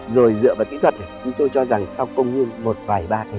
rồi dựa vào kỹ thuật này chúng tôi cho rằng sau công nguyên một vài ba thế kỷ